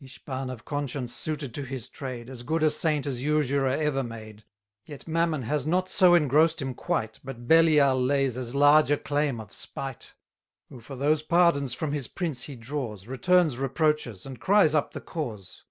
Ishban of conscience suited to his trade, As good a saint as usurer ever made. Yet Mammon has not so engross'd him quite, But Belial lays as large a claim of spite; Who, for those pardons from his prince he draws, Returns reproaches, and cries up the cause.